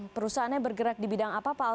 perusahaannya bergerak di bidang apa pak